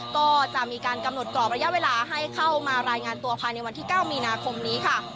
ก็จะมีการกำหนดกรอบระยะเวลาให้เข้ามารายงานตัวภายในวันที่๙มีนาคมนี้ค่ะ